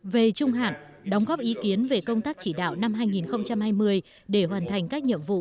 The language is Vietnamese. về trung hạn đóng góp ý kiến về công tác chỉ đạo năm hai nghìn hai mươi để hoàn thành các nhiệm vụ